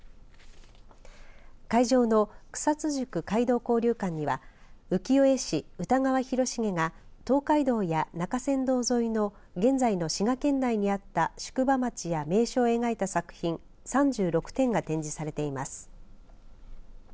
会場の草津宿街道交流館には浮世絵師、歌川広重が東海道や中山道沿いの現在の滋賀県内にあった宿場町や名所を描いた作品３６点が展示されています。